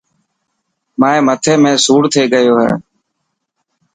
مائي مثي ۾ سوڙ ٿي گيو هي.